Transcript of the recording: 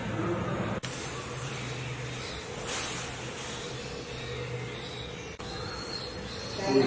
เนี้ย